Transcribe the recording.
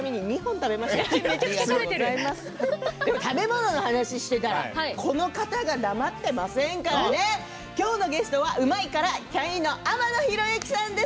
食べ物の話をしていたらこの方が黙っていませんから今日のゲストは「うまいッ！」からキャインの天野ひろゆきさんです。